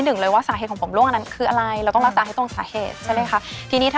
อีกระยะหนึ่งคือช่วงใกล้หมดวัยทอง